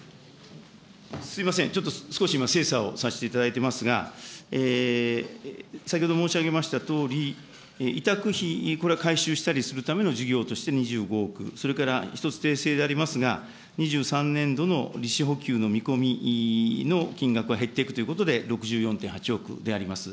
すみません、ちょっと今、少し精査をさせていただいていますが、先ほど申し上げましたとおり、委託費、これは回収したりするための事業として２５億、それから１つ訂正でありますが、２３年度の利子補給の見込みの金額は減っていくということで６４．８億であります。